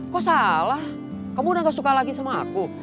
kok salah kamu udah gak suka lagi sama aku